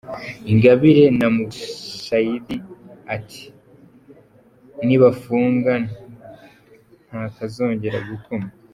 Ingabire na Mushayidi ati nimbafunga ntakazongera gukoma!